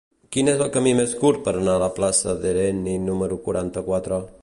Quin és el camí més curt per anar a la plaça d'Herenni número quaranta-quatre?